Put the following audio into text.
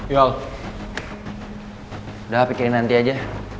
yaudah pikirin nanti aja